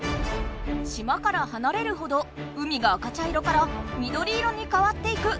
島からはなれるほど海が赤茶色からみどり色にかわっていく。